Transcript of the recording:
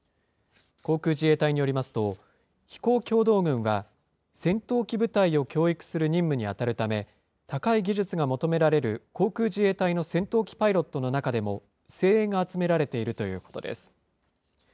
航空自衛隊によりますと、飛行教導群は、戦闘機部隊を教育する任務に当たるため、高い技術が求められる航空自衛隊の戦闘機パイロットの中でも精鋭が集められているということです。